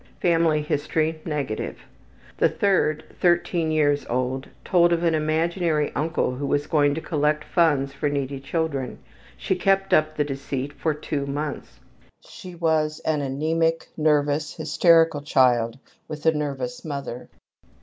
Family history negative. The third, 13 years old, told of an imaginary uncle who was going to collect funds for needy children; she kept up the deceit for two months. She was an anemic, nervous, hysterical child with a nervous mother.